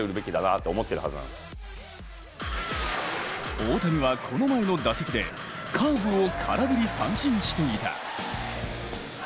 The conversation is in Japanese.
大谷はこの前の打席でカーブを空振り三振していた。